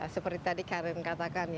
seperti tadi karen katakan